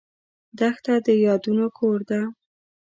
دښته د یادونو کور ده.